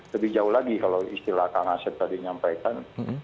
lebih jauh lagi kalau istilah kang asep tadi nyampaikan